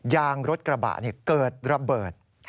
ยางรถกระบะเกิดระเบิด